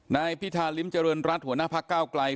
ในพิธาลิมเจริญรัติหัวหน้าพระเก้าไกล